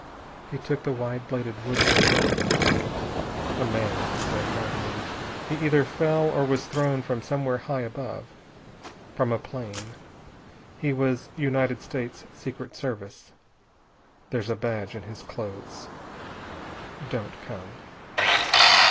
He took the wide bladed woods knife. "A man," he said, nauseated. "He either fell or was thrown from somewhere high above. From a plane. He was United States Secret Service. There's a badge in his clothes. Don't come."